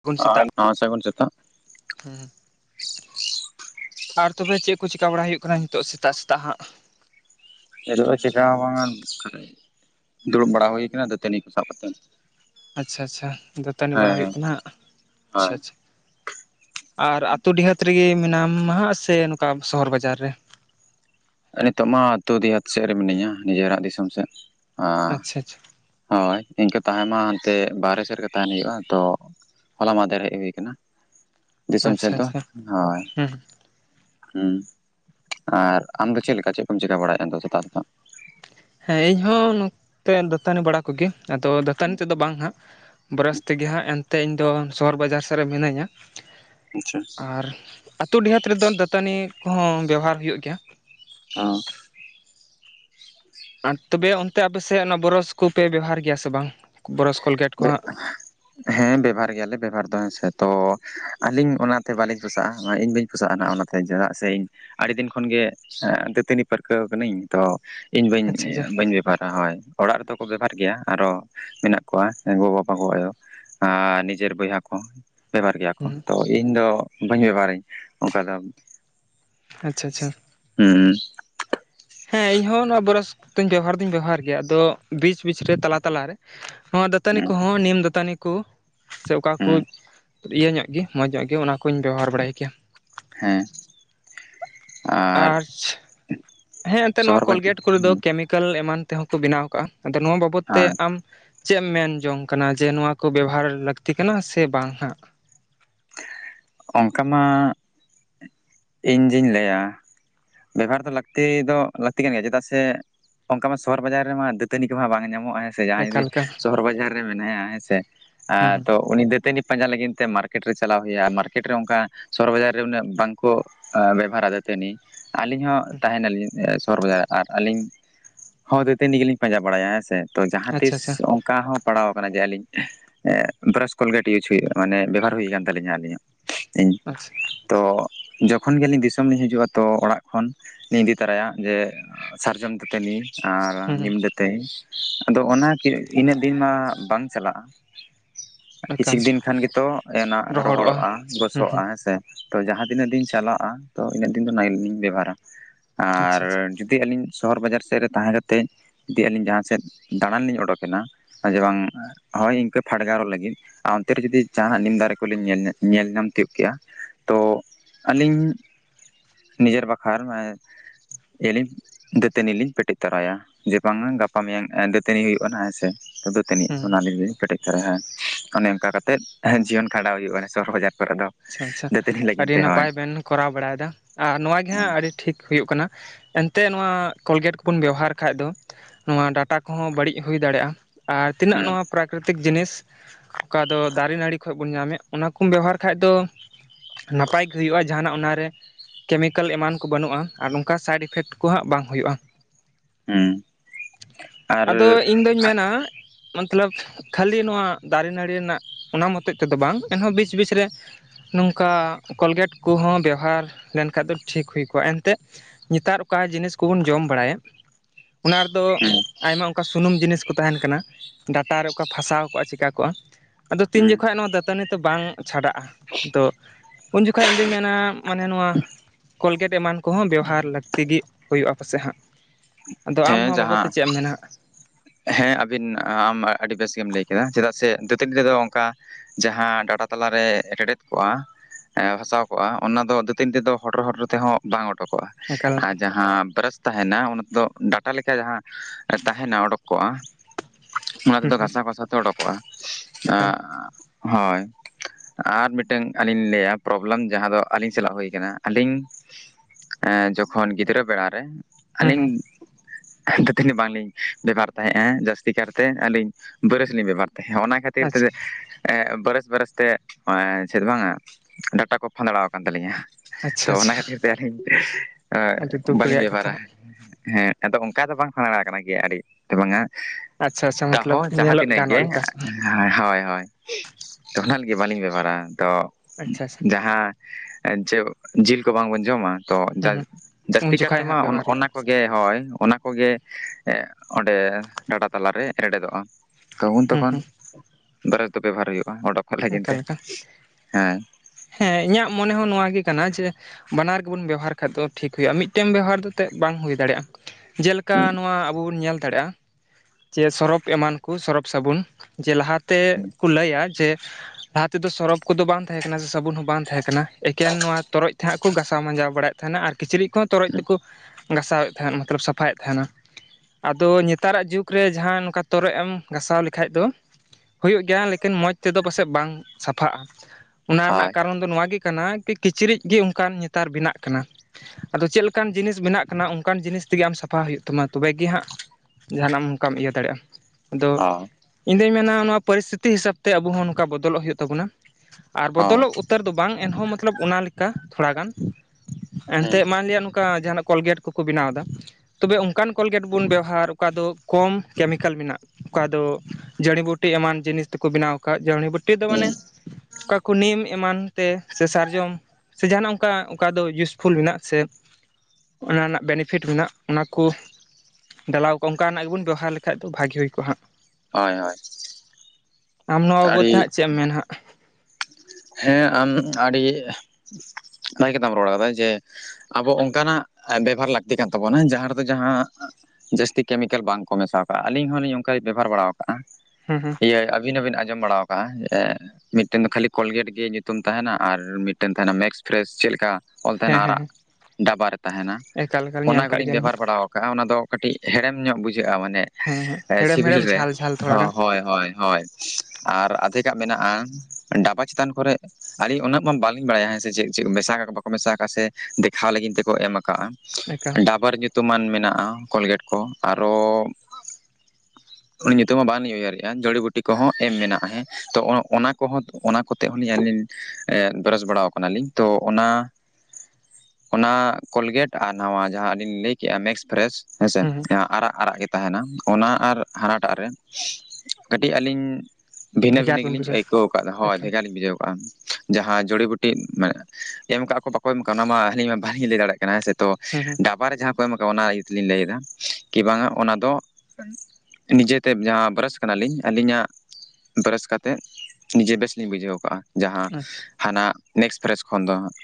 ᱜᱩᱱ ᱥᱮᱛᱟᱜ [inaudible] ᱥᱟᱹᱜᱩᱱ ᱥᱮᱛᱟᱜ᱾ ᱦᱩᱸ ᱦᱩᱸ᱾ ᱟᱨ ᱛᱚᱵᱮ ᱪᱮᱫ ᱠᱚ ᱪᱤᱠᱟ ᱵᱟᱲᱟ ᱦᱩᱭᱩᱜ ᱠᱟᱱᱟ ᱦᱤᱛᱳᱜ ᱥᱮᱛᱟᱜ ᱥᱮᱛᱟᱜ ᱦᱟᱸᱜ? ᱮ ᱱᱚᱜ-ᱚᱭ ᱪᱮᱠᱟ ᱦᱚᱸ ᱵᱟᱝᱟ, ᱫᱩᱲᱩᱵ ᱵᱟᱲᱟ ᱦᱩᱭ ᱠᱟᱱᱟ ᱫᱟᱹᱛᱟᱹᱱᱤ ᱠᱚ ᱥᱟᱵ ᱠᱟᱛᱮᱫ᱾ ᱟᱪᱪᱷᱟ ᱟᱪᱪᱷᱟ, ᱫᱟᱹᱛᱟᱹᱱᱤ ᱵᱟᱲᱟ ᱦᱩᱭᱩᱜ ᱦᱮᱸ ᱠᱟᱱᱟ ᱦᱟᱹᱜ᱾ ᱦᱳᱭ ᱟᱪᱪᱷᱟ ᱟᱪᱪᱷᱟ᱾ ᱟᱨ ᱟᱛᱳ ᱰᱤᱦᱟᱹᱛ ᱨᱮᱜᱮ ᱢᱮᱱᱟᱢᱟ ᱦᱟᱸᱜ ᱥᱮ ᱱᱚᱝᱠᱟ ᱥᱚᱦᱚᱨ ᱵᱟᱡᱟᱨ ᱨᱮ? ᱱᱤᱛᱚᱜ ᱢᱟ ᱟᱛᱳ ᱫᱮᱦᱟᱹᱛ ᱥᱮᱫ ᱨᱮ ᱢᱤᱱᱟᱹᱧᱟ, ᱱᱤᱡᱮᱨᱟᱜ ᱫᱤᱥᱚᱢ ᱥᱮᱫ ᱟᱪᱪᱷᱟ ᱟᱪᱪᱷᱟ ᱟᱻ, ᱦᱳᱭ, ᱤᱱᱠᱟᱹ ᱛᱟᱦᱮᱸ ᱢᱟ ᱦᱟᱱᱛᱮ ᱵᱟᱦᱨᱮ ᱥᱮᱫ ᱨᱮᱜᱮ ᱛᱟᱦᱮᱸᱱ ᱦᱩᱭᱩᱜᱼᱟ, ᱛᱚ ᱦᱚᱞᱟ ᱢᱟᱫᱷᱮᱨ ᱦᱮᱡ ᱦᱩᱭ ᱠᱟᱱᱟ, ᱫᱤᱥᱚᱢ ᱟᱪᱪᱷᱟ ᱥᱮᱫ ᱫᱚ ᱟᱪᱪᱷᱟ ᱦᱳᱭ᱾ ᱦᱩᱸ ᱦᱩᱸ, ᱟᱨ ᱟᱢ ᱫᱚ ᱪᱮᱫ ᱞᱮᱠᱟ, ᱪᱮᱫ ᱠᱚᱢ ᱪᱤᱠᱟ ᱵᱟᱲᱟᱭᱮᱫᱼᱟ ᱱᱤᱛᱚᱜ ᱥᱮᱛᱟᱜ ᱥᱮᱛᱟᱜ ᱦᱮᱸ, ᱤᱧ ᱦᱚᱸ ᱱᱚᱛᱮ ᱫᱟᱹᱛᱟᱹᱱᱤ ᱵᱟᱲᱟ ᱠᱚᱜᱮ, ᱟᱫᱚ ᱫᱟᱹᱛᱟᱹᱱ ᱛᱮᱫᱚ ᱵᱟᱝ ᱦᱟᱸᱜ, ᱵᱨᱟᱥ ᱛᱮᱜᱮ ᱦᱟᱸᱜ ᱮᱱᱛᱮ ᱤᱧᱫᱚ ᱥᱚᱦᱚᱨ ᱵᱟᱡᱟᱨ ᱥᱮᱫ ᱨᱮ ᱢᱤᱱᱟᱹᱧᱟ, ᱟᱪᱪᱷᱟ ᱟᱨ ᱟᱛᱩ ᱰᱤᱦᱟᱹᱛ ᱨᱮᱫᱚ ᱫᱟᱹᱛᱟᱹᱱᱤ ᱠᱚᱦᱚᱸ ᱵᱮᱣᱦᱟᱨ ᱦᱩᱭᱩᱜ ᱜᱮᱭᱟ, ᱚᱸ᱾ [unintelligible] ᱛᱚᱵᱮ ᱚᱱᱛᱮ ᱟᱯᱮ ᱥᱮᱫ ᱚᱱᱟ ᱵᱚᱨᱚᱥ ᱠᱚᱯᱮ ᱵᱮᱵᱷᱟᱨ ᱜᱮᱭᱟ ᱥᱮ ᱵᱟᱝ? ᱵᱚᱨᱚᱥ ᱠᱚᱞᱜᱮᱴ ᱠᱚ ᱦᱟᱸᱜ [inaudible] ᱦᱮᱸ ᱵᱮᱵᱷᱟᱨ ᱜᱮᱭᱟᱞᱮ ᱵᱮᱵᱟᱨ ᱫᱚ ᱦᱮᱸᱥᱮ, ᱛᱚ ᱟᱹᱞᱤᱧ ᱚᱱᱟᱛᱮ ᱵᱟᱹᱞᱤᱧ ᱯᱚᱥᱟᱜᱼᱟ ᱤᱧ ᱵᱟᱹᱧ ᱯᱚᱥᱟᱜᱼᱟ ᱱᱟᱜ ᱚᱱᱟᱛᱮ ᱪᱮᱫᱟᱜ ᱥᱮ ᱤᱧ, ᱟᱹᱰᱤ ᱫᱤᱱ ᱠᱷᱚᱱ ᱜᱮ ᱫᱟᱹᱛᱟᱹᱱᱤ ᱯᱟᱹᱨᱠᱟᱹᱣ ᱠᱟᱹᱱᱟᱹᱧ ᱛᱚ ᱤᱧ ᱵᱟᱹᱧ ᱟᱪᱪᱷᱟ ᱟᱪᱪᱷᱟ ᱵᱟᱹᱧ ᱵᱮᱵᱷᱟᱨᱟ ᱦᱳᱭ ᱚᱲᱟᱜ ᱨᱮᱫᱚ ᱠᱚ ᱵᱮᱵᱚᱦᱟᱨ ᱜᱮᱭᱟ, ᱟᱨᱚ ᱢᱮᱱᱟᱜ ᱠᱚᱣᱟ, ᱜᱚᱜᱚ, ᱵᱟᱵᱟ, ᱜᱚ ᱟᱭᱳ ᱟᱨ ᱱᱤᱡᱮᱨ ᱵᱚᱭᱦᱟ ᱠᱚ ᱵᱮᱵᱷᱟᱨ ᱜᱮᱭᱟ ᱠᱚ, ᱦᱩᱸ ᱛᱚ ᱤᱧ ᱫᱚ ᱵᱟᱹᱧ ᱵᱮᱵᱚᱦᱟᱨᱟᱹᱧ ᱚᱝᱠᱟ ᱫᱚ᱾ ᱟᱪᱪᱷᱟ ᱟᱪᱪᱷᱟ᱾ ᱦᱩᱸ᱾ ᱦᱮᱸ ᱤᱧ ᱦᱚᱸ ᱱᱚᱣᱟ ᱵᱚᱨᱚᱥ ᱫᱚᱧ ᱵᱮᱵᱚᱦᱟᱨ ᱫᱚᱧ ᱵᱮᱵᱚᱦᱟᱨ ᱜᱮᱭᱟ ᱟᱫᱚ, ᱵᱤᱡᱽ ᱵᱤᱡᱽ ᱨᱮ ᱛᱟᱞᱟ ᱛᱟᱞᱟ ᱨᱮ, ᱱᱚᱣᱟ ᱫᱟᱹᱛᱟᱹᱱᱤ ᱠᱚᱦᱚᱸ ᱱᱤᱢ ᱫᱟᱹᱛᱟᱹᱱᱤ ᱠᱚ, ᱥᱮ ᱚᱠᱟ ᱠᱚ ᱦᱩᱸ ᱤᱭᱟᱹ ᱧᱚᱜ ᱜᱮ, ᱢᱚᱸᱡᱽ ᱧᱚᱜ ᱜᱮ ᱚᱱᱟᱠᱚᱧ ᱵᱮᱵᱚᱦᱟᱨ ᱵᱟᱲᱟᱭ ᱜᱮᱭᱟ᱾ ᱦᱮᱸ᱾ ᱟᱨ ᱟᱨᱪᱷ, ᱦᱮᱸ ᱮᱱᱛᱮ ᱥᱚᱦᱚᱨ ᱱᱚᱣᱟ ᱵᱟᱡᱟᱨ ᱠᱚᱞᱜᱮᱴ ᱠᱚᱨᱮ ᱫᱚ ᱦᱮᱸ ᱠᱮᱢᱤ ᱠᱮᱞ ᱮᱢᱟᱱ ᱛᱮᱦᱚᱸ ᱠᱚ ᱵᱮᱱᱟᱣ ᱠᱟᱜᱼᱟ ᱟᱫᱚ ᱱᱚᱣᱟ ᱵᱟᱵᱚᱫᱽ ᱛᱮ ᱟᱢ ᱪᱮᱫ ᱮᱢ ᱢᱮᱱ ᱡᱚᱝ ᱠᱟᱱᱟ ᱱᱚᱣᱟ ᱠᱚ ᱵᱮᱵᱚᱦᱟᱨ ᱞᱟᱹᱠᱛᱤ ᱠᱟᱱᱟ ᱥᱮ ᱵᱟᱝ ᱦᱟᱸᱜ? ᱚᱱᱠᱟ ᱢᱟ ᱤᱧ ᱫᱩᱧ ᱞᱟᱹᱭᱟᱼᱼ ᱵᱮᱵᱷᱟᱨ ᱫᱚ ᱞᱟᱹᱠᱛᱤ ᱫᱚ ᱞᱟᱹᱠᱛᱤ ᱠᱟᱱ ᱜᱮᱭᱟ ᱪᱮᱫᱟᱜ ᱥᱮᱼᱼ ᱚᱱᱠᱟ ᱢᱟ ᱥᱚᱦᱚᱨ ᱵᱟᱡᱟᱨ ᱨᱮᱢᱟ ᱫᱟᱹᱛᱟᱹᱱᱤ ᱠᱚᱢᱟ ᱵᱟᱝ ᱧᱟᱢᱚᱜ-ᱟ᱾ ᱥᱮ ᱡᱟᱦᱟᱸᱭ ᱡᱩᱫᱤ ᱮᱠᱟᱞ ᱮᱠᱟᱞ ᱥᱚᱦᱚᱨ ᱵᱟᱡᱟᱨ ᱨᱮ ᱢᱮᱱᱟᱭᱟ ᱦᱮᱸᱥᱮ ᱦᱩᱸ ᱮᱸ ᱦᱩᱸ ᱛᱚ ᱩᱱᱤ ᱫᱟᱹᱛᱟᱹᱱᱤ ᱯᱟᱸᱡᱟ ᱞᱟᱹᱜᱤᱫ ᱛᱮ ᱢᱟᱨᱠᱼᱼ ᱠᱮᱴ ᱨᱮ ᱪᱟᱞᱟᱣ ᱦᱩᱭᱜ-ᱟ ᱢᱟᱨᱠᱮᱴ ᱨᱮ ᱚᱱᱠᱟ ᱥᱚᱦᱚᱨ ᱵᱟᱡᱟᱨ ᱨᱮ ᱩᱱᱟᱹᱜ ᱵᱟᱝ ᱠᱚ ᱵᱮᱵᱷᱟᱨᱟ ᱫᱟᱹᱛᱟᱹᱱᱤ᱾ ᱟᱹᱞᱤᱧ ᱦᱚᱸ ᱛᱟᱦᱮᱸᱱᱟᱞᱤᱧ ᱥᱚᱦᱚᱨ ᱵᱟᱡᱟᱨ ᱨᱮ ᱟᱨ ᱟᱹᱞᱤᱧᱼᱼ ᱦᱚᱸ ᱫᱟᱹᱛᱟᱹᱱᱤ ᱜᱤᱞᱤᱧ ᱯᱟᱸᱡᱟ ᱵᱟᱲᱟᱭᱟ ᱦᱮᱸᱥᱮ, ᱛᱚ ᱡᱟᱦᱟᱸ ᱟᱪᱪᱷᱟ ᱛᱤᱥᱼᱼ ᱟᱪᱪᱷᱟ ᱚᱠᱟ ᱦᱚᱸ ᱯᱟᱲᱟᱣ ᱠᱟᱱᱟ ᱡᱮ ᱟᱹᱞᱤᱧ ᱵᱨᱟᱥ ᱠᱚᱞᱜᱮᱴ ᱤᱭᱩᱥ ᱦᱩᱭᱩᱜ-ᱟ ᱢᱟᱱᱮ ᱵᱮᱵᱷᱟᱨᱼᱼ ᱦᱩᱭ ᱠᱟᱱ ᱛᱟᱹᱞᱤᱧᱟ ᱟᱹᱞᱤᱧᱟᱜᱼᱼ [unintelligible] ᱛᱚ ᱡᱚᱠᱷᱚᱱ ᱜᱮᱞᱤᱧ ᱫᱤᱥᱚᱢ ᱞᱤᱧ ᱦᱤᱡᱩᱜ-ᱟ ᱛᱚ ᱚᱲᱟᱜ ᱠᱷᱚᱱᱼᱼ ᱞᱤᱧ ᱤᱫᱤ ᱛᱚᱨᱟᱭᱟ ᱡᱮ ᱥᱟᱨᱡᱚᱢ ᱫᱟᱹᱛᱟᱹᱱᱤ᱾ ᱟᱨ ᱦᱩᱸ ᱦᱩᱸ ᱱᱤᱢ ᱫᱟᱹᱛᱟᱹᱱᱤ ᱟᱫᱚ ᱚᱱᱟ ᱤᱱᱟᱹᱜ ᱫᱤᱱ ᱢᱟ ᱵᱟᱝ ᱪᱟᱞᱟᱜ-ᱟ᱾ ᱠᱤᱪᱷᱩ ᱮᱠᱟᱞ ᱫᱤᱱ ᱠᱷᱟᱱ ᱜᱮᱛᱚ ᱚᱱᱟ ᱨᱚᱦᱚᱲᱚᱜᱼᱟ ᱨᱚᱦᱚᱲᱚᱜ-ᱟ, ᱦᱩᱸ ᱦᱩᱸ ᱜᱚᱥᱚᱜ-ᱟ᱾ ᱦᱮᱸᱥᱮ ᱛᱚ ᱡᱟᱦᱟᱸ ᱛᱤᱱᱟᱹᱜ ᱫᱤᱱ ᱪᱟᱞᱟᱜ-ᱟ ᱛᱚ ᱤᱱᱟᱹᱜ ᱫᱤᱱ ᱫᱚ ᱱᱤᱭᱟᱹ ᱜᱮᱞᱤᱧ ᱵᱮᱣᱦᱟᱨᱟ᱾ ᱟᱪᱪᱷᱟ ᱟᱨ ᱟᱪᱪᱷᱟ ᱡᱩᱫᱤ ᱟᱹᱞᱤᱧᱼᱼ ᱥᱚᱦᱚᱨ ᱵᱟᱡᱟᱨ ᱥᱮᱫ ᱨᱮ ᱛᱟᱦᱮᱸ ᱠᱟᱛᱮ ᱡᱩᱫᱤ ᱟᱹᱞᱤᱧ ᱡᱟᱦᱟᱸ ᱥᱮᱫ ᱫᱟᱬᱟᱱ ᱞᱤᱧ ᱚᱰᱳᱠᱮᱱᱟ, ᱡᱮ ᱵᱟᱝᱼᱼ ᱦᱳᱭ ᱤᱱᱠᱟᱹ ᱯᱷᱟᱰᱜᱟᱨᱚᱜ ᱞᱟᱹᱜᱤᱫ ᱟᱨ ᱚᱱᱛᱮ ᱨᱮ ᱡᱩᱫᱤ ᱡᱟᱦᱟᱸᱱᱟᱜᱼᱼ ᱱᱤᱢ ᱫᱟᱨᱮ ᱠᱚᱞᱤᱧ ᱧᱮᱞ ᱧᱟᱢ ᱛᱤᱭᱳᱜ ᱠᱮᱜ-ᱟ ᱛᱚ ᱟᱹᱞᱤᱧᱼᱼ ᱱᱤᱡᱮᱨ ᱵᱟᱠᱷᱟᱨ ᱮᱸ [unintelligible] ᱫᱟᱹᱛᱟᱹᱱᱤ ᱞᱤᱧ ᱯᱮᱴᱮᱡ ᱛᱚᱨᱟᱭᱟ ᱡᱮ ᱵᱟᱝᱟ ᱜᱟᱯᱟ ᱢᱮᱭᱟᱝ ᱫᱟᱹᱛᱟᱹᱱᱤ ᱦᱩᱭᱩᱜ-ᱟ ᱦᱟᱸᱜ ᱦᱮᱸᱥᱮᱼᱼ ᱫᱤᱛᱟᱹᱱᱤᱡ ᱦᱩᱸ ᱚᱱᱟᱞᱤᱧ ᱯᱮᱴᱮᱡ ᱛᱚᱨᱟᱭᱟ ᱦᱮᱸ ᱚᱱᱮ ᱚᱱᱠᱟ ᱠᱟᱛᱮᱫ ᱡᱤᱭᱚᱱ ᱠᱷᱟᱸᱰᱟᱣ ᱦᱩᱭᱩᱜ-ᱟ ᱥᱚᱦᱚᱨ ᱵᱟᱡᱟᱨ ᱠᱚᱨᱮ ᱫᱚ᱾ ᱟᱪᱪᱷᱟ ᱟᱪᱪᱷᱟ ᱫᱟᱹᱛᱟᱹᱱᱤ ᱞᱟᱹᱜᱤᱫ ᱟᱹᱰᱤ ᱛᱮ ᱦᱳᱭ ᱱᱟᱯᱟᱭ ᱵᱮᱱ ᱠᱚᱨᱟᱣ ᱵᱟᱲᱟᱭᱮᱫᱟ ᱟᱨ ᱱᱚᱣᱟ ᱜᱮ ᱦᱟᱸᱜ ᱟᱹᱰᱤ ᱴᱷᱤᱠᱼᱼ ᱦᱩᱭᱩᱜ ᱠᱟᱱᱟ ᱮᱱᱛᱮᱜ ᱱᱚᱣᱟ ᱠᱚᱞᱜᱮᱴ ᱠᱚᱵᱚᱱ ᱵᱮᱣᱦᱟᱨ ᱠᱷᱟᱡ ᱫᱚ᱾ ᱱᱚᱣᱟ ᱰᱟᱴᱟ ᱠᱚᱦᱚᱸ ᱵᱟᱹᱲᱤᱡ ᱦᱩᱭ ᱫᱟᱲᱮᱭᱟᱜ-ᱟ᱾ ᱟᱨ ᱛᱤᱱᱟᱹᱜ ᱦᱩᱸ ᱱᱚᱣᱟ ᱯᱨᱟᱠᱨᱤᱛᱤᱠ ᱡᱤᱱᱤᱥ ᱚᱠᱟ ᱫᱚ ᱫᱟᱨᱮ ᱱᱟᱹᱲᱤ ᱠᱷᱚᱡ ᱵᱚᱱ ᱧᱟᱢᱮᱫ ᱚᱱᱟᱠᱩᱢ ᱵᱮᱣᱦᱟᱨᱼᱼ ᱠᱷᱟᱡ ᱫᱚ ᱱᱟᱯᱟᱭ ᱜᱮ ᱦᱩᱭᱩᱜ-ᱟ ᱡᱟᱦᱟᱸᱱᱟᱜ ᱚᱱᱟᱨᱮᱼᱼ ᱠᱮᱢᱤᱠᱮᱞ ᱮᱢᱟᱱ ᱠᱚ ᱵᱟᱹᱱᱩᱜ-ᱟ ᱟᱨ ᱚᱱᱠᱟ ᱥᱟᱭᱤᱰ ᱤᱯᱷᱮᱠᱴ ᱠᱚ ᱦᱟᱸᱜ ᱵᱟᱝ ᱦᱩᱭᱩᱜ-ᱟ᱾ ᱦᱩᱸ ᱟᱨ ᱟᱫᱚ ᱤᱧ-ᱫᱩᱧ ᱢᱮᱱᱟᱼᱼ ᱢᱚᱛᱞᱟᱵᱽ ᱠᱷᱟᱹᱞᱤ ᱱᱚᱣᱟ ᱫᱟᱨᱮ ᱱᱟᱹᱲᱤ ᱨᱮᱱᱟᱜ ᱚᱱᱟ ᱢᱚᱛᱚᱡ ᱛᱮᱫᱚ ᱵᱟᱝ ᱮᱱᱦᱚᱸ ᱵᱤᱪ-ᱵᱤᱪ ᱨᱮᱼᱼ ᱱᱚᱝᱠᱟ ᱠᱚᱞᱜᱮᱴ ᱠᱚᱦᱚᱸ ᱵᱮᱣᱦᱟᱨ ᱞᱮᱱᱠᱟᱱᱡ ᱫᱚ ᱴᱷᱤᱠ ᱦᱩᱭ ᱠᱚᱜ-ᱟ, ᱮᱱᱛᱮᱫᱼᱼ ᱱᱮᱛᱟᱨ ᱚᱠᱟ ᱡᱤᱱᱤᱥ ᱠᱚᱵᱚᱱ ᱡᱚᱢ ᱵᱟᱲᱟᱭᱟ ᱚᱱᱟ ᱨᱮᱫᱚᱼᱼ ᱦᱩᱸ ᱟᱭᱢᱟ ᱚᱱᱠᱟ ᱥᱩᱱᱩᱢ ᱡᱤᱱᱤᱥ ᱠᱚ ᱛᱟᱦᱮᱸᱱ ᱠᱟᱱᱟ ᱰᱟᱴᱟ ᱨᱮ ᱚᱠᱟ ᱯᱷᱟᱥᱟᱣ ᱠᱚᱜ-ᱟ ᱪᱤᱠᱟ ᱠᱚᱜ-ᱟ᱾ ᱟᱫᱚ ᱛᱤᱱ ᱦᱩᱸ ᱡᱚᱠᱷᱟᱡ ᱱᱚᱣᱟ ᱫᱟᱹᱛᱟᱹᱱᱤ ᱛᱮ ᱵᱟᱝ ᱪᱷᱟᱰᱟᱜ-ᱟ᱾ ᱫᱚ ᱩᱱ ᱡᱚᱠᱷᱟᱡ ᱤᱧᱫᱩᱧ ᱢᱮᱱᱟ ᱢᱟᱱᱮ ᱱᱚᱣᱟ ᱠᱚᱞᱜᱮᱴ ᱮᱢᱟᱱᱼᱼ ᱠᱚᱦᱚᱸ ᱵᱮᱣᱦᱟᱨ ᱞᱟᱹᱠᱛᱤ ᱜᱤ ᱦᱩᱭᱩᱜ-ᱟ ᱯᱟᱥᱮᱡ ᱦᱟᱸᱜ ᱟᱫᱚ ᱟᱢ ᱦᱮᱸ ᱱᱚᱣᱟ ᱵᱟᱵᱚᱫ ᱛᱮ ᱡᱟᱦᱟᱸ ᱪᱮᱫ ᱮᱢ ᱢᱮᱱᱟ ᱦᱟᱸᱜ? ᱦᱮᱸ ᱟᱵᱤᱱ ᱟᱢ ᱟᱹᱰᱤ ᱵᱮᱥ ᱜᱮᱢ ᱞᱟᱹᱭ ᱠᱮᱫᱟ ᱪᱮᱫᱟᱜ ᱥᱮ ᱫᱟᱹᱛᱟᱹᱱᱤ ᱛᱮᱫᱚ ᱚᱱᱠᱟᱼᱼ ᱡᱟᱦᱟᱸ ᱰᱟᱰᱟ ᱛᱟᱞᱟᱨᱮ ᱨᱮᱰᱮᱫ ᱠᱚᱜ-ᱟ᱾ ᱯᱷᱟᱥᱟᱣ ᱠᱚᱜ-ᱟ ᱚᱱᱟ ᱫᱚ ᱫᱟᱹᱛᱟᱹᱱᱤ ᱛᱮᱫᱚ ᱦᱚᱴᱚᱨ-ᱦᱚᱴᱚᱨ ᱛᱮᱦᱚᱸ ᱵᱟᱝ ᱚᱰᱚᱠᱚᱜ-ᱟ᱾ ᱮᱠᱟᱞ ᱟᱨ ᱡᱟᱦᱟᱸ ᱵᱨᱟᱥ ᱛᱟᱦᱮᱸᱱᱟ ᱚᱱᱟ ᱫᱚ ᱰᱟᱴᱟ ᱞᱮᱠᱟ ᱡᱟᱦᱟᱸ ᱛᱟᱦᱮᱸᱱᱟ ᱚᱰᱚᱠᱼᱼ ᱠᱚᱜᱼᱟ ᱱᱚᱣᱟ ᱦᱩᱸ ᱛᱮᱫᱚ ᱦᱩᱸ ᱜᱷᱟᱥᱟᱣ-ᱜᱷᱟᱥᱟᱣ ᱛᱮ ᱚᱰᱚᱠᱚᱜ-ᱟ᱾ ᱮᱠᱟᱞ ᱦᱳᱭ ᱟᱨ ᱢᱤᱫᱴᱹᱟᱝ ᱟᱹᱞᱤᱧ ᱞᱤᱧ ᱞᱟᱹᱭᱟ ᱯᱨᱚᱵᱞᱮᱢ ᱡᱟᱦᱟᱸ ᱫᱚ ᱟᱹᱞᱤᱧ ᱥᱟᱞᱟᱜ ᱦᱩᱭ ᱟᱠᱟᱱᱟ ᱟᱹᱞᱤᱧᱼᱼ ᱮᱸ ᱡᱚᱠᱷᱚᱱ ᱜᱤᱫᱽᱨᱟᱹ ᱵᱮᱲᱟᱨᱮ ᱦᱩᱸ ᱟᱹᱞᱤᱧ ᱦᱩᱸ ᱫᱟᱹᱛᱟᱹᱱᱤ ᱵᱟᱝᱞᱤᱧ ᱵᱮᱵᱷᱟᱨᱼᱼ ᱛᱟᱦᱮᱸᱜ-ᱟ ᱡᱟᱹᱥᱛᱤ ᱠᱟᱨ ᱛᱮ ᱟᱹᱞᱤᱧ ᱵᱨᱟᱹᱥ ᱞᱤᱧ ᱵᱮᱵᱷᱟᱨ ᱛᱟᱦᱮᱸᱜ-ᱟ ᱚᱱᱟ ᱠᱷᱟᱹᱛᱤᱨ ᱛᱮᱼᱼ ᱟᱪᱪᱷᱟ ᱵᱨᱟᱹᱥ ᱵᱨᱟᱹᱥ ᱛᱮ [unintelligible] ᱵᱟᱝᱟ ᱰᱟᱴᱟ ᱠᱚ ᱯᱷᱟᱸᱫᱲᱟᱣ ᱠᱟᱱ ᱛᱟᱹᱞᱤᱧᱟ᱾ ᱟᱪᱪᱷᱟ ᱛᱚ ᱚᱱᱟ ᱟᱪᱪᱷᱟ ᱠᱷᱟᱹᱛᱤᱨ ᱛᱮ ᱟᱹᱞᱤᱧ ᱟᱹᱰᱤ ᱫᱩᱠ ᱵᱟᱹᱞᱤᱧ ᱨᱮᱭᱟᱜ ᱠᱟᱛᱷᱟ ᱵᱮᱵᱚᱦᱟᱨᱟ ᱦᱮᱸ᱾ ᱟᱫᱚ ᱚᱱᱠᱟ ᱫᱚ ᱵᱟᱝ ᱯᱷᱟᱸᱫᱽᱲᱟ ᱠᱟᱱᱟ ᱜᱮᱭᱟ ᱟᱹᱰᱤᱼᱼ ᱛᱮ ᱵᱟᱝᱟ ᱟᱪᱪᱷᱟ ᱟᱪᱪᱷᱟ ᱢᱚᱛᱞᱚᱵ ᱛᱟᱦᱚ ᱡᱟᱦᱟᱸ ᱧᱮᱞᱚᱜ ᱛᱤᱱᱟᱹᱜ ᱜᱟᱱᱚᱜ ᱜᱮᱼᱼ ᱞᱮᱠᱟ ᱟᱪᱪᱷᱟ ᱦᱳᱭ ᱼ ᱦᱳᱭ ᱛᱚ ᱚᱱᱟ ᱞᱟᱹᱜᱤᱫ ᱵᱟᱹᱞᱤᱧ ᱵᱮᱵᱚᱦᱟᱨᱟ ᱛᱚ ᱟᱪᱪᱷᱟ ᱡᱟᱦᱟᱸ ᱮᱸ ᱡᱮ ᱡᱤᱞ ᱠᱚ ᱵᱟᱝᱵᱚᱱ ᱡᱚᱢᱟ ᱛᱚ ᱦᱩᱸ ᱡᱟ ᱦᱩᱸ ᱡᱟᱹᱥᱛᱤ ᱩᱱ ᱠᱟᱨ ᱡᱚᱠᱷᱟᱡ ᱛᱮᱢᱟ ᱦᱟᱸᱜ ᱵᱮᱵᱚᱦᱟᱨ ᱚᱱᱟ ᱦᱩᱭᱩᱜᱼᱟ ᱠᱚᱜᱮ ᱦᱳᱭ ᱚᱱᱟ ᱠᱚᱜᱮ ᱮᱸᱜ ᱚᱸᱰᱮ ᱰᱟᱴᱟ ᱛᱟᱞᱟᱨᱮ ᱮᱸᱰᱮᱫᱚᱜᱼᱟ ᱛᱚ ᱩᱱ ᱦᱩᱸ ᱛᱚᱠᱷᱚᱱ ᱦᱩᱸ ᱵᱨᱟᱥ ᱫᱚ ᱵᱮᱵᱷᱟᱨ ᱦᱩᱭᱩᱜᱼᱟ ᱚᱸᱰᱚᱠ ᱠᱚ ᱞᱟᱹᱜᱤᱫ ᱚᱱᱠᱟ ᱛᱮ ᱞᱮᱠᱟ ᱦᱮᱸ ᱦᱮᱸ ᱤᱧᱟᱹᱜ ᱢᱚᱱᱮ ᱦᱚᱸ ᱱᱚᱣᱟ ᱜᱮ ᱠᱟᱱᱟ ᱡᱮ ᱵᱟᱱᱟᱨ ᱜᱮᱵᱚᱱ ᱵᱮᱵᱚᱦᱟᱨ ᱠᱷᱟᱡ ᱫᱚ ᱴᱷᱤᱠ ᱦᱩᱭᱩᱜᱼᱟ ᱢᱤᱫᱴᱮᱱ ᱵᱮᱣᱦᱟᱨ ᱫᱚ ᱮᱱᱛᱮᱫ ᱵᱟᱝ ᱦᱩᱭ ᱫᱟᱲᱮᱭᱟᱜᱼᱟ ᱡᱮᱞᱮᱠᱟ ᱱᱚᱣᱟ ᱟᱵᱚ ᱵᱚᱱ ᱧᱮᱞ ᱫᱟᱲᱮᱭᱟᱜᱼᱟ ᱡᱮ ᱥᱚᱨᱚᱯ ᱮᱢᱟᱱ ᱠᱚ ᱥᱚᱨᱚᱯ ᱥᱟᱵᱩᱱ ᱡᱮ ᱞᱟᱦᱟᱛᱮ ᱛᱮ ᱠᱚ ᱞᱟᱹᱭᱟ ᱡᱮ ᱞᱟᱦᱟ ᱛᱮᱫᱚ ᱥᱚᱨᱚᱯᱷ ᱠᱚᱫᱚ ᱵᱟᱝ ᱛᱟᱦᱮᱸ ᱠᱟᱱᱟ ᱠᱟᱱᱟ ᱥᱮ ᱥᱟᱵᱚᱱ ᱦᱚᱸ ᱵᱟᱝ ᱛᱟᱦᱮᱸ ᱠᱟᱱᱟ ᱮᱠᱮᱱ ᱱᱚᱣᱟ ᱛᱚᱨᱚᱡ ᱛᱮ ᱦᱟᱸᱜ ᱠᱚ ᱜᱟᱥᱟᱣ ᱢᱟᱡᱟᱣ ᱵᱟᱲᱟᱭᱮᱫ ᱛᱟᱦᱮᱱᱟ ᱟᱨ ᱠᱤᱪᱨᱤᱡ ᱠᱚᱦᱚᱸ ᱛᱚᱨᱚᱡ ᱛᱮᱠᱚ ᱜᱟᱥᱟᱣᱮᱫ ᱛᱟᱦᱮᱱᱟ ᱢᱚᱛᱞᱚᱵ ᱥᱟᱯᱷᱟᱭᱮᱫ ᱛᱟᱦᱮᱱᱟ ᱟᱫᱚ ᱱᱮᱛᱟᱨᱟᱜ ᱡᱩᱜᱽ ᱨᱮ ᱡᱟᱦᱟᱸ ᱱᱚᱝᱠᱟ ᱛᱚᱨᱚᱡ ᱮᱢ ᱜᱷᱟᱥᱟᱣ ᱞᱮᱠᱷᱟᱡ ᱫᱚ ᱦᱩᱭᱩᱜ ᱜᱮᱭᱟ ᱞᱮᱠᱤᱱ ᱢᱚᱡᱽ ᱛᱮᱫᱚ ᱯᱟᱥᱮᱡ ᱵᱟᱝ ᱥᱟᱯᱷᱟᱜᱼᱟ ᱚᱱᱟ ᱨᱮᱱᱟᱜ ᱦᱳᱭ ᱠᱟᱨᱚᱱ ᱫᱚ ᱱᱚᱣᱟ ᱜᱮ ᱠᱟᱱᱟ ᱠᱤ ᱠᱤᱪᱨᱤᱡ ᱜᱮ ᱚᱱᱠᱟᱱ ᱱᱮᱛᱟᱨ ᱵᱮᱱᱟᱜ ᱠᱟᱱᱟ ᱟᱫᱚ ᱪᱮᱫ ᱞᱮᱠᱟᱱ ᱡᱤᱱᱤᱥ ᱵᱮᱱᱟᱜ ᱠᱟᱱᱟ ᱚᱱᱠᱟᱱ ᱡᱤᱱᱤᱥ ᱛᱮᱜᱮ ᱟᱢ ᱥᱟᱯᱷᱟ ᱦᱩᱭᱩᱜ ᱛᱟᱢᱟ ᱛᱚᱵᱮ ᱜᱮ ᱦᱟᱸᱜ ᱡᱟᱦᱟᱱᱟᱜ ᱚᱱᱠᱟᱢ ᱤᱭᱟᱹ ᱫᱟᱲᱮᱭᱟᱜᱼᱟ ᱟᱫᱚ ᱦᱳᱭ ᱤᱧ ᱫᱩᱧ ᱢᱮᱱᱟ ᱱᱚᱣᱟ ᱯᱟᱹᱨᱤᱥᱛᱷᱤᱛᱤ ᱦᱤᱥᱟᱹᱵ ᱛᱮ ᱟᱵᱚ ᱦᱚᱸ ᱱᱚᱝᱠᱟ ᱵᱚᱫᱚᱞᱚᱜ ᱦᱩᱭᱩᱜ ᱛᱟᱵᱚᱱᱟ ᱟᱨ ᱦᱳᱭ ᱵᱚᱫᱚᱞᱚᱜ ᱩᱛᱟᱹᱨ ᱫᱚ ᱵᱟᱝ ᱮᱱᱦᱚᱸ ᱢᱚᱛᱞᱚᱵ ᱚᱱᱟ ᱞᱮᱠᱟ ᱛᱷᱚᱲᱟ ᱜᱟᱱ ᱮᱱᱛᱮᱜ ᱢᱟᱱᱞᱤᱭᱟ ᱱᱚᱝᱠᱟ ᱡᱟᱦᱟᱱᱟᱜ ᱠᱚᱞᱜᱮᱴ ᱠᱚᱠᱚ ᱵᱮᱱᱟᱣᱫᱟ ᱛᱚᱵᱮ ᱚᱱᱠᱟᱱ ᱠᱚᱞᱜᱮᱴ ᱵᱚᱱ ᱵᱮᱣᱦᱟᱨ ᱚᱠᱟ ᱫᱚ ᱠᱚᱢ ᱠᱮᱢᱤᱠᱮᱞ ᱢᱮᱱᱟᱜ ᱚᱠᱟ ᱫᱚ ᱡᱟᱹᱲᱤ ᱵᱩᱴᱤ ᱮᱢᱟᱱ ᱡᱤᱱᱤᱥ ᱛᱮᱠᱚ ᱵᱮᱱᱟᱣ ᱟᱠᱟᱫ ᱡᱟᱹᱲᱤ ᱵᱩᱴᱤ ᱫᱚ ᱢᱟᱱᱮ ᱚᱠᱟ ᱠᱚ ᱱᱤᱢ ᱮᱢᱟᱱ ᱛᱮ ᱥᱮ ᱥᱟᱨᱡᱚᱢ ᱥᱮ ᱡᱟᱦᱟᱱᱟᱜ ᱚᱱᱠᱟ ᱚᱠᱟ ᱫᱚ ᱤᱭᱩᱥᱯᱷᱩᱞ ᱢᱮᱱᱟᱜ ᱥᱮ ᱚᱱᱟ ᱨᱮᱱᱟᱜ ᱵᱮᱱᱤᱯᱷᱤᱴ ᱢᱮᱱᱟᱜ ᱚᱱᱟ ᱠᱚ ᱰᱮᱞᱟᱣ ᱠᱚᱜᱼᱟ ᱚᱱᱠᱟᱱᱟᱜ ᱜᱮᱵᱚᱱ ᱵᱮᱣᱦᱟᱨ ᱞᱮᱠᱷᱟᱡ ᱫᱚ ᱵᱷᱟᱹᱜᱤ ᱦᱩᱭ ᱠᱚᱜᱼᱟ ᱦᱟᱸᱜ ᱦᱳᱭ ᱦᱳᱭ ᱟᱢ ᱱᱚᱣᱟ ᱵᱟᱵᱚᱛ ᱟᱹᱰᱤ ᱛᱮ ᱦᱟᱸᱜ ᱪᱮᱫ ᱮᱢ ᱢᱮᱱᱟ ᱦᱟᱸᱜ? ᱦᱮᱸ ᱟᱢ ᱟᱹᱰᱤ [unintelligible] ᱨᱚᱲ ᱠᱟᱫᱟ ᱡᱮ ᱟᱵᱚ ᱚᱱᱠᱟᱱᱟᱜ ᱵᱮᱵᱷᱟᱨ ᱞᱟᱹᱠᱛᱤ ᱠᱟᱱ ᱛᱟᱵᱚᱱᱟ ᱡᱟᱦᱟᱸ ᱨᱮᱫᱚ ᱡᱟᱦᱟᱸ ᱡᱟᱹᱥᱛᱤ ᱠᱮᱢᱤᱠᱮᱞ ᱵᱟᱝ ᱠᱚ ᱢᱮᱥᱟᱣ ᱠᱟᱜᱼᱟ ᱟᱹᱞᱤᱧ ᱦᱚᱸᱞᱤᱧ ᱚᱱᱠᱟᱞᱤᱧ ᱵᱮᱵᱚᱦᱟᱨ ᱵᱟᱲᱟ ᱠᱟᱜᱼᱟ ᱦᱩᱸ ᱦᱩᱸ ᱤᱭᱟᱹ ᱟᱵᱤᱱ ᱦᱚᱸᱵᱤᱱ ᱟᱸᱡᱚᱢ ᱵᱟᱲᱟ ᱟᱠᱟᱜᱼᱟ ᱡᱮ ᱢᱤᱫᱴᱮᱱ ᱫᱚ ᱠᱷᱟᱹᱞᱤ ᱠᱳᱞᱜᱮᱴ ᱜᱮ ᱧᱩᱛᱩᱢ ᱛᱟᱦᱮᱱᱟ ᱟᱨ ᱢᱤᱫᱴᱮᱱ ᱛᱟᱦᱮᱱᱟ ᱢᱮᱠᱥ ᱯᱷᱨᱮᱥ ᱪᱮᱫ ᱞᱮᱠᱟ ᱚᱞ ᱛᱟᱦᱮᱱᱟ ᱦᱮᱸ ᱦᱮᱸ ᱟᱨᱟᱜ ᱦᱮᱸ ᱰᱟᱵᱟᱨᱮ ᱛᱟᱦᱮᱱᱟ ᱮᱠᱟᱞ ᱮᱠᱟᱞ ᱧᱮᱞ ᱚᱱᱟ ᱠᱟᱜ ᱠᱚᱞᱤᱧ ᱜᱮᱭᱟᱞᱤᱧ ᱵᱮᱵᱷᱟᱨ ᱵᱟᱲᱟ ᱟᱠᱟᱜᱼᱟ ᱚᱱᱟ ᱫᱚ ᱠᱟᱹᱴᱤᱡ ᱦᱮᱲᱮᱢ ᱧᱚᱜ ᱵᱩᱡᱷᱟᱹᱜᱼᱟ ᱢᱟᱱᱮ ᱦᱟᱸᱜ ᱦᱮᱸ ᱦᱮᱸ ᱦᱮᱲᱮᱢ ᱥᱤᱵᱤᱞ ᱦᱮᱲᱮᱢ ᱨᱮ ᱡᱷᱟᱞ ᱡᱷᱟᱞ ᱛᱷᱚᱲᱟ ᱜᱟᱱ ᱦᱳᱭ ᱦᱳᱭ ᱦᱳᱭ ᱟᱨ ᱟᱫᱷᱮᱠᱟᱜ ᱢᱮᱱᱟᱜᱼᱟ ᱰᱟᱵᱟ ᱪᱮᱛᱟᱱ ᱠᱚᱨᱮ ᱟᱹᱞᱤᱧ ᱩᱱᱟᱹᱜ ᱢᱟ ᱵᱟᱹᱞᱤᱧ ᱵᱟᱲᱟᱭᱟ ᱦᱮᱸ ᱥᱮ ᱪᱮᱫ ᱪᱮᱫ ᱢᱮᱥᱟ ᱠᱟᱜ ᱵᱟᱠᱚ ᱢᱮᱥᱟ ᱠᱟᱜᱼᱟ ᱥᱮ ᱫᱮᱠᱷᱟᱣ ᱞᱟᱹᱜᱤᱫ ᱛᱮᱠᱚ ᱮᱢ ᱠᱟᱜᱼᱟ ᱮᱠᱟ ᱰᱟᱵᱟᱨ ᱧᱩᱛᱩᱢᱟᱱ ᱢᱮᱱᱟᱜᱼᱟ ᱠᱳᱞᱜᱮᱴ ᱠᱚ ᱟᱨᱚ ᱩᱱᱤ ᱧᱩᱛᱩᱢ ᱢᱟ ᱵᱟᱝᱞᱤᱧ ᱩᱭᱦᱟᱹᱨᱮᱜᱼᱟ ᱡᱚᱲᱤ ᱵᱩᱴᱤ ᱠᱚᱦᱚᱸ ᱮᱢ ᱢᱮᱱᱟᱜᱼᱟ ᱦᱮᱸ ᱛᱚ ᱚᱱᱟ ᱠᱚᱦᱚᱸ ᱚᱱᱟ ᱠᱚᱛᱮ ᱦᱚᱸᱞᱤᱧ ᱟᱹᱞᱤᱧ ᱮᱸᱜ ᱵᱨᱟᱥ ᱵᱟᱲᱟᱣ ᱠᱟᱱᱟᱞᱤᱧ ᱛᱚ ᱚᱱᱟ [inaudible] ᱚᱱᱟ ᱠᱳᱞᱜᱮᱴ ᱟᱨ ᱱᱟᱣᱟ ᱡᱟᱦᱟᱸ ᱟᱹᱞᱤᱧ ᱞᱟᱹᱭ ᱠᱮᱫᱼᱟ ᱢᱮᱠᱥ ᱯᱷᱨᱮᱥ ᱦᱮᱸᱥᱮ ᱦᱮᱸ ᱦᱮᱸ ᱟᱨᱟᱜ ᱟᱨᱟᱜ ᱜᱮ ᱛᱟᱦᱮᱱᱟ ᱚᱱᱟ ᱟᱨ ᱦᱟᱱᱟᱴᱟᱜ ᱨᱮ ᱠᱟᱹᱴᱤᱡ ᱟᱹᱞᱤᱧ ᱵᱷᱤᱱᱟᱹ ᱵᱷᱮᱜᱟᱨ ᱵᱷᱤᱱᱟᱹ ᱵᱮᱱ ᱜᱮᱞᱤᱧ ᱵᱩᱡᱷᱟᱹᱣᱟ ᱟᱹᱭᱠᱟᱹᱣ ᱟᱠᱟᱫᱟ ᱦᱳᱭ ᱮᱠᱟᱞ ᱵᱷᱮᱜᱟᱨ ᱞᱤᱧ ᱵᱩᱡᱷᱟᱹᱣ ᱟᱠᱟᱜᱼᱟ ᱡᱟᱦᱟᱸ ᱡᱩᱲᱤ ᱵᱩᱴᱤ ᱢᱟᱱᱮ ᱮᱢ ᱠᱟᱜ ᱟᱠᱚ ᱵᱟᱠᱚ ᱮᱢ ᱠᱟᱜᱼᱟ ᱚᱱᱟ ᱢᱟ ᱟᱹᱞᱤᱧ ᱢᱟ ᱵᱟᱹᱞᱤᱧ ᱞᱟᱹᱭ ᱫᱟᱲᱮᱭᱟᱜ ᱠᱟᱱᱟ ᱦᱮᱸ ᱥᱮ ᱛᱚ ᱦᱩᱸ ᱦᱩᱸ ᱠᱚᱵᱷᱟᱨ ᱨᱮ ᱡᱟᱦᱟᱸ ᱠᱚ ᱮᱢ ᱟᱠᱟᱜ ᱚᱱᱟ ᱤᱭᱟᱹ ᱛᱮᱞᱤᱧ ᱞᱟᱹᱭᱮᱫᱟ ᱠᱤ ᱵᱟᱝᱟ ᱚᱱᱟ ᱫᱚ ᱱᱤᱡᱮᱛᱮ ᱡᱟᱦᱟᱸ ᱵᱨᱟᱥ ᱠᱟᱱᱟᱞᱤᱧ ᱟᱹᱞᱤᱧᱟᱜ ᱵᱨᱟᱥ ᱠᱟᱛᱮᱫ ᱱᱤᱡᱮ ᱵᱮᱥᱞᱤᱧ ᱵᱩᱡᱷᱟᱹᱣ ᱠᱟᱜᱼᱟ ᱡᱟᱦᱟᱸ ᱟᱪᱪᱷᱟ ᱦᱟᱱᱟ ᱢᱮᱠᱥ ᱯᱷᱨᱮᱥ ᱠᱷᱚᱱ ᱫᱚ ᱦᱟᱸᱜ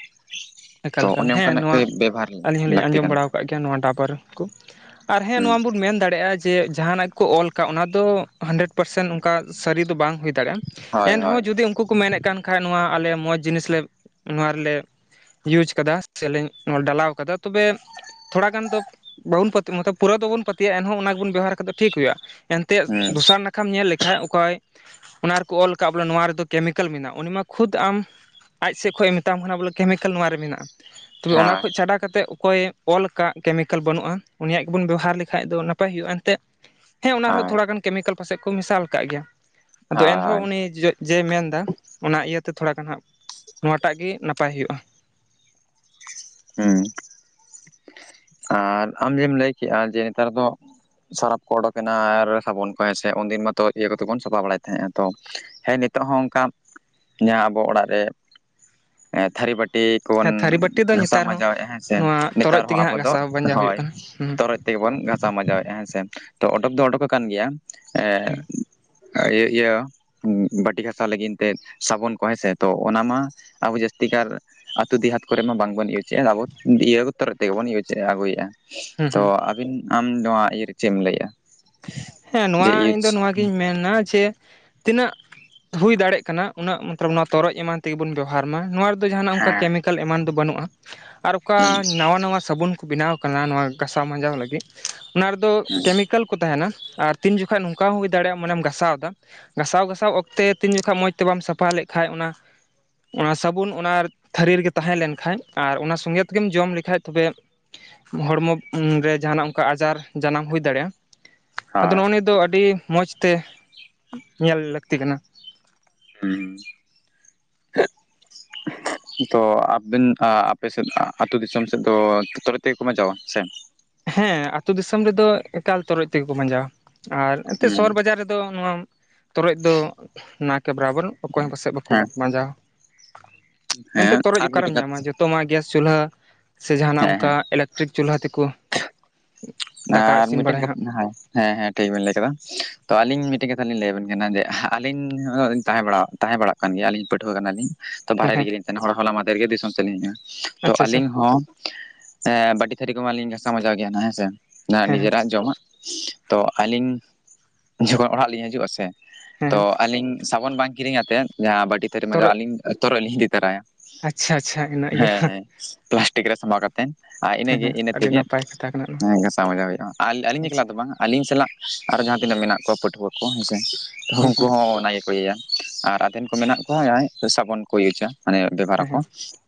ᱛᱚ ᱮᱠᱟᱞ ᱮᱠᱟᱞ, ᱚᱱᱮ ᱦᱮᱸ ᱚᱱᱠᱟᱱᱟᱜ ᱱᱚᱶᱟ ᱜᱮ ᱵᱮᱵᱚᱦᱟᱨ ᱟᱹᱞᱤᱧ ᱦᱚᱸᱞᱤᱧ ᱞᱟᱹᱠᱛᱤ ᱟᱸᱡᱚᱢ ᱠᱟᱱᱟ ᱵᱟᱲᱟ ᱟᱠᱟᱫ ᱜᱮᱭᱟ ᱱᱚᱶᱟ ᱰᱟᱵᱚᱨ ᱠᱚ, ᱟᱨ ᱦᱮᱸ ᱦᱩᱸ ᱱᱚᱶᱟ ᱵᱚᱱ ᱢᱮᱱ ᱫᱟᱲᱮᱭᱟᱜᱼᱟ ᱡᱮ ᱡᱟᱦᱟᱱᱟᱜ ᱜᱮ ᱠᱚ ᱚᱞ ᱟᱠᱟᱫ, ᱚᱱᱟ ᱫᱚ ᱦᱟᱱᱰᱨᱮᱰ ᱯᱟᱨᱥᱮᱱ ᱚᱱᱠᱟ ᱥᱟᱹᱨᱤ ᱫᱚ ᱵᱟᱝ ᱦᱩᱭ ᱫᱟᱲᱮᱭᱟᱜᱼᱟ ᱾ ᱦᱳᱭ ᱮᱱ ᱦᱳᱭ ᱨᱮᱦᱚᱸ ᱡᱩᱫᱤ ᱩᱱᱠᱩ ᱠᱚ ᱢᱮᱱᱮᱫ ᱠᱟᱱ ᱠᱷᱟᱡ, ᱱᱚᱣᱟ ᱟᱞᱮ ᱢᱚᱸᱡᱽ ᱡᱤᱱᱤᱥ ᱞᱮ ᱱᱚᱣᱟ ᱨᱮᱞᱮ ᱤᱭᱩᱡᱽ ᱠᱟᱫᱟ ᱥᱮᱞᱤᱧ ᱰᱟᱞᱟᱣ ᱠᱟᱫᱟ, ᱛᱚᱵᱮ ᱛᱷᱚᱲᱟ ᱜᱟᱱ ᱫᱚ ᱵᱟᱵᱚᱱ [unintelligible] ᱯᱩᱨᱟᱹ ᱫᱚᱵᱚᱱ ᱯᱟᱹᱛᱭᱟᱹᱜᱼᱟ, ᱮᱱᱦᱚᱸ ᱚᱱᱟ ᱜᱮᱵᱚᱱ ᱵᱮᱵᱚᱦᱟᱨ ᱠᱟᱛᱮᱫ ᱴᱷᱤᱠ ᱦᱩᱭᱩᱜᱼᱟ ᱾ ᱮᱱ ᱛᱮᱫ ᱦᱩᱸ ᱫᱚᱥᱟᱨ ᱱᱟᱠᱷᱟᱢ ᱧᱮᱞ ᱞᱮᱠᱷᱟᱡ ᱚᱠᱚᱭ ᱚᱱᱟ ᱨᱮᱠᱚ ᱚᱞ ᱟᱠᱟᱫ ᱵᱚᱞᱮ ᱱᱚᱣᱟ ᱨᱮᱫᱚ ᱠᱮᱢᱤᱠᱮᱞ ᱢᱮᱱᱟᱜᱼᱟ, ᱩᱱᱤ ᱢᱟ ᱠᱷᱩᱫᱽ ᱟᱢ ᱟᱡ ᱥᱮᱫ ᱠᱷᱚᱡᱮ ᱢᱮᱛᱟᱢ ᱠᱟᱱᱟ ᱵᱚᱞᱮ ᱠᱮᱢᱤᱠᱮᱞ ᱱᱚᱶᱟ ᱨᱮ ᱢᱮᱱᱟᱜᱼᱟ ᱾ ᱛᱚᱵᱮ ᱚᱱᱟ ᱦᱳᱭ ᱠᱷᱚᱡ ᱪᱷᱟᱰᱟ ᱠᱟᱛᱮᱫ ᱚᱠᱚᱭ ᱚᱞ ᱟᱠᱟᱜ ᱠᱮᱢᱤᱠᱮᱞ ᱵᱟᱹᱱᱩᱜᱼᱟ, ᱩᱱᱤᱭᱟᱜ ᱜᱮᱵᱚᱱ ᱵᱮᱵᱚᱦᱟᱨ ᱞᱮᱠᱷᱟᱡ ᱫᱚ ᱱᱟᱯᱟᱭ ᱦᱩᱭᱩᱜᱼᱟ ᱮᱱᱛᱮᱜ ᱾ ᱦᱮᱸ ᱚᱱᱟ ᱨᱮᱦᱚᱸ ᱦᱳᱭ ᱛᱷᱚᱲᱟ ᱜᱟᱱ ᱠᱮᱢᱤᱠᱮᱞ ᱯᱟᱥᱮᱡ ᱠᱚ ᱢᱮᱥᱟᱞ ᱟᱠᱟᱜ ᱜᱮᱭᱟ ᱾ ᱟᱫᱚ ᱮᱱᱦᱚᱸ ᱦᱳᱭ ᱩᱱᱤ ᱡᱮ ᱢᱮᱱ ᱫᱟ ᱚᱱᱟ ᱤᱭᱟᱹᱛᱮ ᱛᱷᱚᱲᱟ ᱜᱟᱱ ᱦᱟᱜ ᱱᱚᱣᱟᱴᱟᱜ ᱜᱮ ᱱᱟᱯᱟᱭ ᱦᱩᱭᱩᱜᱼᱟ ᱾ ᱦᱩᱸ ᱾ ᱟᱨ ᱟᱢ ᱡᱮᱢ ᱞᱟᱹᱭ ᱠᱮᱜᱼᱟ, ᱡᱮ ᱱᱮᱛᱟᱨ ᱫᱚ ᱥᱟᱨᱟᱯᱷ ᱠᱚ ᱚᱰᱚᱠᱮᱱᱟ ᱟᱨ ᱥᱟᱵᱚᱱ ᱠᱚ ᱦᱮᱸᱥᱮ, ᱩᱱᱫᱤᱱ ᱢᱟᱛᱚ ᱤᱭᱟᱹ ᱠᱚᱛᱮ ᱵᱚᱱ ᱥᱟᱯᱷᱟ ᱵᱟᱲᱟᱭᱮᱫ ᱛᱟᱦᱮᱸᱜᱼᱟ ᱛᱚ ᱾ ᱦᱮᱸ ᱱᱤᱛᱚᱜ ᱦᱚᱸ ᱚᱱᱠᱟ ᱡᱟᱦᱟᱸ ᱟᱵᱚ ᱚᱲᱟᱜ ᱨᱮ ᱛᱷᱟᱹᱨᱤ ᱵᱟᱹ ᱴᱤ ᱠᱚ ᱵᱚᱱ ᱦᱮᱸ ᱛᱷᱟᱹᱨᱤ ᱵᱟᱹᱴᱤ ᱫᱚ ᱜᱷᱟᱥᱟᱣ ᱱᱮᱛᱟᱨ ᱦᱚᱸ ᱢᱟᱡᱟᱣᱮᱫᱼᱟ ᱦᱮᱸᱥᱮ, ᱱᱚᱣᱟ ᱛᱚᱨᱚᱡ ᱱᱮᱛᱟᱨ ᱦᱚᱸ ᱛᱮᱜᱮ ᱟᱵᱚ ᱦᱟᱸᱜ ᱫᱚ ᱜᱷᱟᱥᱟᱣ ᱵᱟᱧᱡᱟᱣ ᱦᱩᱭᱩᱜ ᱦᱚᱭ ᱠᱟᱱᱟ ᱦᱩᱸ ᱛᱚᱨᱚᱡ ᱛᱮᱜᱮ ᱵᱚᱱ ᱜᱷᱟᱥᱟᱣ ᱢᱟᱡᱟᱣᱮᱫᱼᱟ ᱦᱮᱸᱥᱮ, ᱛᱚ ᱚᱰᱚᱠ ᱫᱚ ᱚᱰᱚᱠ ᱟᱠᱟᱱ ᱜᱮᱭᱟ ᱾ ᱮᱸᱻ ᱤᱭᱟᱹ ᱤᱭᱟᱹ ᱵᱟᱹᱴᱤ ᱜᱷᱟᱥᱟᱣ ᱞᱟᱹᱜᱤᱱ ᱛᱮ ᱥᱟᱵᱚᱱ ᱠᱚ ᱦᱮᱸᱥᱮ, ᱛᱚ ᱚᱱᱟ ᱢᱟ ᱟᱵᱚ ᱡᱟᱹᱥᱛᱤ ᱠᱟᱨ ᱟᱹᱛᱩ ᱫᱮᱦᱟᱛ ᱠᱚᱨᱮ ᱢᱟ ᱵᱟᱝᱵᱚᱱ ᱤᱭᱩᱡᱮᱜᱼᱟ, ᱟᱵᱚ ᱤᱭᱟᱹ ᱛᱚᱨᱚᱡ ᱛᱮᱜᱮ ᱵᱚᱱ ᱤᱭᱩᱡᱽ ᱪᱮᱫ ᱮ ᱟᱹᱜᱩᱭᱮᱫᱼᱟ, ᱦᱩᱸ ᱛᱚ ᱦᱩᱸ ᱟᱵᱤᱱ ᱟᱢ ᱱᱚᱣᱟ ᱤᱭᱟᱹᱨᱮ ᱪᱮᱫ ᱮᱢ ᱞᱟᱹᱭᱮᱫᱼᱟ? ᱦᱮᱸ ᱡᱮ ᱱᱚᱣᱟ ᱤᱧ ᱤᱭᱩᱡᱽ ᱫᱚ ᱱᱚᱣᱟᱜᱤᱧ ᱢᱮᱱᱟ ᱡᱮ ᱛᱤᱱᱟᱹᱜ ᱦᱩᱭ ᱫᱟᱲᱮᱜ ᱠᱟᱱᱟ ᱩᱱᱟᱹᱜ ᱢᱚᱛᱞᱚᱵ ᱱᱚᱣᱟ ᱛᱚᱨᱚᱡ ᱮᱢᱟᱱ ᱛᱮᱜᱮ ᱵᱚᱱ ᱵᱮᱵᱚᱦᱟᱨ ᱢᱟ, ᱱᱚᱣᱟ ᱫᱚ ᱡᱟᱦᱟᱱᱟᱜ ᱚᱱᱠᱟ ᱦᱮᱸ ᱠᱮᱢᱤᱠᱮᱞ ᱮᱢᱟᱱ ᱫᱚ ᱵᱟᱹᱱᱩᱜᱼᱟ, ᱟᱨ ᱦᱩᱸ ᱚᱠᱟ ᱱᱟᱣᱟ ᱱᱟᱣᱟ ᱥᱟᱵᱚᱱ ᱠᱚ ᱵᱮᱱᱟᱣ ᱠᱟᱱᱟ ᱱᱟᱣᱟ ᱜᱟᱥᱟᱣ ᱢᱟᱸᱡᱟᱣ ᱞᱟᱹᱜᱤᱫ ᱚᱱᱟ ᱨᱮᱫᱚ ᱦᱩᱸ ᱠᱮᱢᱤᱠᱮᱞ ᱛᱟᱦᱮᱱᱟ ᱟᱨ ᱛᱤᱱ ᱡᱚᱠᱷᱚᱡ ᱱᱚᱝᱠᱟ ᱦᱚᱸ ᱦᱩᱭ ᱫᱟᱲᱮᱭᱟᱜᱼᱟ ᱢᱟᱱᱮᱢ ᱜᱟᱥᱟᱣ ᱫᱟ ᱾ ᱜᱟᱥᱟᱣ ᱜᱟᱥᱟᱣ ᱚᱠᱛᱮ ᱛᱤᱱ ᱡᱚᱠᱷᱚᱡ ᱢᱚᱸᱡᱽ ᱛᱮ ᱵᱟᱢ ᱥᱟᱯᱷᱟ ᱞᱮᱡ ᱠᱷᱟᱡ ᱚᱱᱟ ᱚᱱᱟ ᱥᱟᱵᱩᱱ ᱚᱱᱟ ᱛᱷᱟᱹᱨᱤ ᱨᱮᱜᱮ ᱛᱟᱦᱮᱸ ᱞᱮᱱᱠᱷᱟᱡ ᱟᱨ ᱚᱱᱟ ᱥᱚᱸᱜᱮ ᱛᱮᱜᱮᱢ ᱡᱚᱢ ᱞᱮᱠᱷᱟᱡ ᱛᱚᱵᱮ ᱦᱚᱲᱢᱚ ᱨᱮ ᱡᱟᱦᱟᱱᱟᱜ ᱚᱱᱠᱟ ᱟᱡᱟᱨ ᱡᱟᱱᱟᱢ ᱦᱩᱭ ᱫᱟᱲᱮᱭᱟᱜᱼᱟ ᱾ ᱟᱫᱚ ᱦᱳᱭ ᱱᱚᱜᱼᱱᱤᱭᱟᱹ ᱫᱚ ᱟᱹᱰᱤ ᱢᱚᱸᱡᱽ ᱛᱮ ᱧᱮᱞ ᱞᱟᱹᱠᱛᱤ ᱠᱟᱱᱟ ᱾ ᱦᱩᱸ ᱾ [inaudible] ᱛᱚ ᱟᱵᱤᱱ ᱟᱯᱮ ᱥᱮᱫ ᱟᱹᱛᱩ ᱫᱤᱥᱚᱢ ᱥᱮᱫ ᱫᱚ ᱛᱚᱨᱟᱡ ᱛᱮᱜᱮ ᱠᱚ ᱢᱟᱸᱡᱟᱣᱟ ᱥᱮ? ᱦᱮᱸ ᱟᱹᱛᱩ ᱫᱤᱥᱚᱢ ᱨᱮᱫᱚ ᱮᱠᱟᱞ ᱛᱚᱨᱚᱡ ᱛᱮᱜᱮ ᱠᱚ ᱢᱟᱸᱡᱟᱣᱟ, ᱟᱨ ᱮᱱᱛᱮᱫ ᱦᱮᱸ ᱥᱚᱦᱚᱨ ᱵᱟᱡᱟᱨ ᱨᱮ ᱫᱚ ᱱᱚᱣᱟ ᱛᱚᱨᱚᱡ ᱫᱚ ᱱᱟ ᱠᱮ ᱵᱚᱨᱟᱵᱚᱨ, ᱚᱠᱚᱭ ᱦᱚᱸ ᱯᱟᱥᱮᱡ ᱵᱟᱠᱚ ᱦᱮᱸ ᱢᱟᱸᱡᱟᱣᱟ ᱾ ᱦᱮᱸ ᱮᱱᱛᱮᱫ ᱛᱚᱨᱚᱡ ᱟᱨ ᱚᱠᱟᱨᱮᱢ ᱢᱤᱫᱴᱮᱱ ᱧᱟᱢᱟ ᱠᱟᱛᱷᱟ ᱡᱚᱛᱚ ᱢᱟ ᱜᱮᱥ ᱪᱩᱞᱦᱟᱹ ᱥᱮ ᱡᱟᱦᱟᱱᱟᱜ ᱦᱮᱸ ᱚᱱᱠᱟ ᱦᱮᱸ ᱤᱞᱮᱠᱴᱨᱤᱠ ᱪᱩᱞᱦᱟᱹ ᱛᱮᱠᱚ ᱫᱟᱠᱟ ᱟᱨ ᱤᱥᱤᱱ ᱢᱤᱫᱴᱮᱱ ᱵᱟᱲᱟᱭᱟ ᱠᱟ ᱦᱟᱸᱜ ᱦᱮᱸ ᱦᱮᱸ ᱦᱮᱸ ᱴᱷᱤᱠ ᱵᱤᱱ ᱞᱟᱹᱭ ᱠᱟᱫᱟ, ᱛᱚ ᱟᱞᱤᱧ ᱢᱤᱫᱴᱮᱱ ᱠᱟᱛᱷᱟ ᱞᱤᱧ ᱞᱟᱹᱭ ᱟᱵᱤᱱ ᱠᱟᱱᱟ ᱡᱮ ᱟᱞᱤᱧᱻ ᱛᱟᱦᱮᱸ ᱵᱟᱲᱟᱣ ᱛᱟᱦᱮᱸ ᱵᱟᱲᱟᱜ ᱠᱟᱱ ᱜᱮᱭᱟᱞᱤᱧ ᱯᱟᱹᱴᱷᱩᱣᱟᱹ ᱠᱟᱱᱟᱞᱤᱧ ᱛᱚ ᱦᱮᱸ ᱵᱟᱦᱨᱮ ᱦᱮᱸ ᱨᱮᱜᱮ ᱞᱤᱧ ᱛᱟᱦᱮᱱᱟ ᱾ ᱦᱚᱲ-ᱦᱚᱞᱟ ᱢᱟᱫᱷᱮᱨ ᱜᱮ ᱫᱤᱥᱚᱢ ᱥᱮᱫᱞᱤᱧ ᱦᱮᱡ ᱱᱟ, ᱛᱚ ᱟᱪᱪᱷᱟ ᱟᱪᱪᱷᱟ ᱟᱞᱤᱧ ᱦᱚᱸ ᱵᱟᱹᱴᱤ ᱛᱷᱟᱹᱨᱤ ᱠᱚᱢᱟᱞᱤᱧ ᱜᱷᱟᱥᱟᱣ ᱢᱟᱸᱡᱟᱣ ᱜᱮᱭᱟ ᱦᱮᱸᱥᱮ, ᱦᱮᱸ ᱦᱮᱸ ᱱᱤᱡᱮᱨᱟᱜ ᱡᱚᱢᱟᱜ ᱛᱚ ᱟᱹᱞᱤᱧ ᱡᱚᱠᱷᱚᱱ ᱚᱲᱟᱜ ᱞᱤᱧ ᱦᱤᱡᱩᱜᱼᱟ ᱥᱮ ᱦᱮᱸ ᱛᱚ ᱦᱮᱸ ᱟᱞᱤᱧ ᱥᱟᱵᱚᱱ ᱵᱟᱝ ᱠᱤᱨᱤᱧ ᱟᱛᱮᱫ, ᱡᱟᱦᱟᱸ ᱵᱟᱹᱴᱤ ᱛᱷᱟᱹᱨᱤ ᱢᱟᱸᱡᱟᱣ ᱛᱚᱨᱚᱡ ᱟᱹᱞᱤᱧ ᱛᱚᱨᱚᱡ ᱞᱤᱧ ᱤᱫᱤ ᱛᱟᱨᱟᱭᱟ ᱾ ᱟᱪᱪᱷᱟ ᱟᱪᱪᱷᱟ ᱤᱱᱟᱹ ᱤᱭᱟᱹ ᱦᱮᱸ ᱦᱮᱸ ᱯᱞᱟᱥᱴᱤᱠ ᱨᱮ ᱥᱟᱸᱵᱟᱣ ᱠᱟᱛᱮ ᱟᱨ ᱤᱱᱟᱹᱜᱤ ᱤᱱᱟᱹ ᱛᱮᱜᱤ ᱯᱟᱭ ᱠᱟᱛᱷᱟ ᱠᱟᱱᱟ ᱱᱚᱶᱟ ᱾ ᱥᱟᱣ ᱢᱟᱸᱡᱟᱣ ᱦᱩᱭᱩᱜᱼᱟ, ᱟᱞ-ᱟᱹᱞᱤᱧ ᱮᱠᱞᱟ ᱫᱚ ᱵᱟᱝ ᱟᱹᱞᱤᱧ ᱥᱟᱞᱟᱜ ᱟᱨ ᱦᱚ ᱡᱟᱦᱟᱸ ᱛᱤᱱᱟᱹᱜ ᱢᱮᱱᱟᱜ ᱠᱚ ᱯᱟᱹᱴᱷᱣᱟᱹ ᱠᱚ ᱦᱮᱸᱥᱮ ᱾ ᱦᱮᱸ ᱩᱱᱠᱩ ᱦᱮᱸ ᱦᱚᱸ ᱚᱱᱟ ᱜᱮᱠᱚ ᱤᱭᱟᱹᱭᱟ, ᱟᱨ ᱟᱫᱷᱮᱱ ᱠᱚ ᱢᱮᱱᱟᱜ ᱠᱚᱣᱟ ᱡᱟᱦᱟᱸᱭ ᱥᱟᱵᱚᱱ ᱠᱚ ᱤᱭᱩᱡᱟ ᱾ ᱢᱟᱱᱮ ᱵᱮᱵᱷᱟᱨ ᱟ‌ᱠᱚ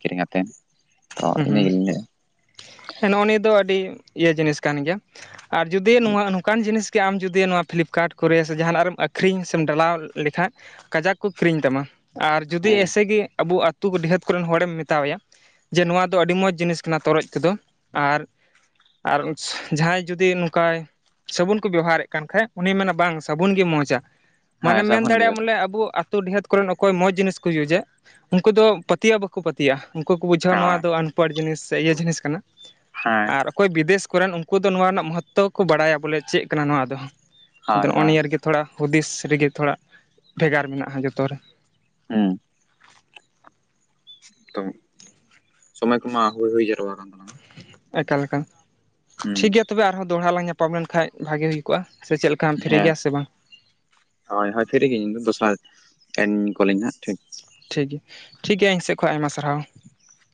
ᱠᱤᱨᱤᱧ ᱟᱛᱮ ᱾ ᱦᱩᱸ ᱦᱩᱸ, ᱦᱮᱸ ᱱᱚᱜᱼᱚ ᱱᱤᱭᱟᱹ ᱫᱚ ᱟᱹᱰᱤ ᱤᱭᱟᱹ ᱡᱤᱱᱤᱥ ᱠᱟᱱ ᱜᱮᱭᱟ ᱾ ᱟᱨ ᱡᱩᱫᱤ ᱱᱚᱣᱟ ᱱᱚᱝᱠᱟᱱ ᱡᱤᱱᱤᱥᱼᱼ ᱟᱢ ᱡᱩᱫᱤ ᱱᱚᱣᱟ ᱯᱷᱤᱞᱤᱯᱠᱟᱨᱴ ᱠᱚᱨᱮ ᱥᱮ ᱡᱟᱦᱟᱱᱟᱜ ᱨᱮᱢ ᱟᱹᱠᱷᱨᱤᱧ ᱥᱮᱢ ᱰᱟᱞᱟᱣ ᱞᱮᱠᱷᱟᱡᱼᱼ ᱠᱟᱡᱟᱠ ᱠᱚ ᱠᱤᱨᱤᱧ ᱛᱟᱢᱟ ᱟᱨ ᱡᱩᱫᱤ ᱦᱮᱸ ᱮᱭᱥᱮ ᱜᱮ ᱟᱵᱚ ᱟᱹᱛᱩ ᱰᱤᱦᱟᱹᱛ ᱠᱚᱨᱮᱱ ᱦᱚᱲᱮᱢ ᱢᱮᱛᱟᱣᱟᱭᱟᱼᱼ ᱡᱮ ᱱᱚᱣᱟ ᱫᱚ ᱟᱹᱰᱤ ᱢᱚᱡᱽ ᱡᱤᱱᱤᱥ ᱠᱟᱱᱟ ᱛᱚᱨᱚᱡ ᱛᱮᱫᱚ ᱟᱨᱼᱼ ᱟᱨ ᱡᱟᱦᱟᱸᱭ ᱡᱩᱫᱤ ᱱᱚᱝᱠᱟᱭᱼᱼ ᱥᱟᱵᱚᱱ ᱠᱚ ᱵᱮᱣᱦᱟᱨᱮᱫ ᱠᱟᱱ ᱠᱷᱟᱡ ᱩᱱᱤᱭ ᱢᱮᱱᱟ ᱵᱟᱝ ᱥᱟᱵᱚᱱ ᱜᱮ ᱢᱚᱸᱡᱟ ᱦᱮᱸ ᱢᱟᱱᱮᱢ ᱢᱮᱱ ᱥᱟᱵᱚᱱ ᱜᱮ ᱫᱟᱲᱮᱭᱟᱜᱼᱟ ᱵᱮᱥᱟ ᱵᱚᱞᱮ ᱟᱵᱚᱼᱼ ᱟᱹᱛᱩ ᱰᱤᱦᱟᱹᱛ ᱠᱚᱨᱮᱱ ᱚᱠᱚᱭ ᱢᱚᱸᱡᱽ ᱡᱤᱱᱤᱥ ᱠᱚ ᱤᱭᱩᱡᱮᱛ ᱩᱱᱠᱩ ᱫᱚ ᱯᱟᱹᱛᱭᱟᱹᱣ ᱵᱟᱠᱚ ᱯᱟᱹᱛᱭᱟᱹᱜᱼᱟ ᱩᱱᱠᱩ ᱠᱚ ᱵᱩᱡᱼᱼ ᱵᱩᱡᱷᱟᱹᱣᱼᱟ ᱱᱚᱣᱟ ᱦᱮᱸ ᱫᱚ ᱟᱱᱯᱚᱲ ᱡᱤᱱᱤᱥ ᱥᱮ ᱤᱭᱟᱹ ᱡᱤᱱᱤᱥ ᱠᱟᱱᱟ ᱦᱮᱸ ᱟᱨ ᱚᱠᱚᱭ ᱵᱤᱫᱮᱥ ᱠᱚᱨᱮᱱ ᱩᱱᱠᱩ ᱫᱚ ᱱᱚᱣᱟ ᱨᱮᱱᱟᱜ ᱢᱚᱦᱚᱛᱛᱚ ᱠᱚ ᱵᱟᱲᱟᱭᱟ ᱵᱚᱞᱮ ᱪᱮᱫ ᱠᱟᱱᱟ ᱱᱚᱣᱟ ᱫᱚ ᱟᱫᱚᱼᱼ ᱦᱳᱭ ᱱᱚᱜᱼᱚ ᱦᱳᱭ ᱱᱤᱭᱟᱹ ᱨᱮᱜᱮ ᱛᱷᱚᱲᱟ ᱦᱩᱫᱤᱥ ᱨᱮᱜᱮ ᱛᱷᱚᱲᱟ ᱵᱷᱮᱜᱟᱨ ᱢᱮᱱᱟᱜᱼᱟ ᱡᱚᱛᱚ ᱨᱮ ᱦᱩᱸ ᱛᱚ ᱥᱚᱢᱚᱭ ᱠᱚᱢᱟ ᱦᱩᱭ ᱦᱩᱭ ᱡᱟᱨᱣᱟ ᱠᱟᱱ ᱛᱟᱞᱟᱝᱟ। ᱮᱠᱟᱞ ᱮᱠᱟᱞ ᱦᱩᱸ ᱴᱷᱤᱠ ᱜᱮᱭᱟ ᱛᱚᱵᱮ ᱟᱨᱦᱚᱸ ᱫᱚᱦᱲᱟ ᱞᱟᱝ ᱧᱟᱯᱟᱢ ᱞᱮᱱᱠᱷᱟᱱ ᱵᱷᱟᱜᱤ ᱦᱩᱭ ᱠᱚᱜᱼᱟ ᱥᱮ ᱪᱮᱫᱠᱟᱼᱼ ᱟᱢ ᱯᱷᱨᱤ ᱦᱮᱸ ᱜᱮᱭᱟ ᱥᱮ ᱵᱟᱝ? ᱦᱳᱭ ᱦᱳᱭ ᱯᱷᱤᱨᱤ ᱜᱮ ᱤᱧᱫᱚ ᱫᱚᱥᱟᱨ ᱴᱮᱱ ᱠᱚᱞᱤᱧ ᱦᱟᱸᱜ ᱴᱷᱤᱠ ᱴᱷᱤᱠ ᱴᱷᱤᱠ ᱜᱮᱭᱟ ᱤᱧ ᱥᱮᱫ ᱠᱷᱚᱱ ᱟᱭᱢᱟ ᱥᱟᱨᱦᱟᱣ।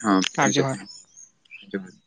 ᱦᱚᱸ ᱟᱨ ᱤᱧ ᱥᱮᱫ ᱡᱚᱦᱟᱨ ᱠᱷᱚᱱ ᱡᱚᱦᱟᱨ ᱾